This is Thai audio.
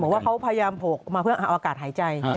คุณบอกว่าเขาพยายามโผล่มาเพื่ออากาศหายใจ